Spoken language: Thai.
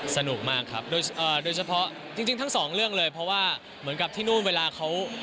สนุกมากครับโดยเฉพาะจริงทั้งสองเรื่องเลยเพราะว่าเหมือนกับที่นู่นเวลาเขา